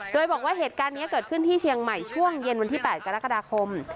โดยบอกว่าเหตุการณ์นี้เกิดขึ้นที่เชียงใหม่ช่วงเย็นวันที่๘กรกฎาคม